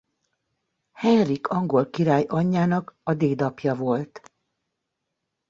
Henrik angol király anyjának a dédapja volt.